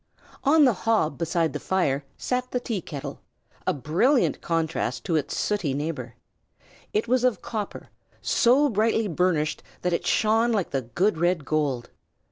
On the hob beside the fire sat the tea kettle, a brilliant contrast to its sooty neighbor. It was of copper, so brightly burnished that it shone like the good red gold.